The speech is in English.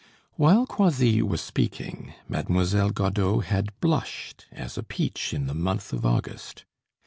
While Croisilles was speaking, Mademoiselle Godeau had blushed as a peach in the month of August.